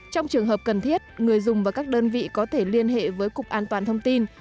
trong trường hợp cần thiết người dùng và các đơn vị có thể liên hệ với cục an toàn thông tin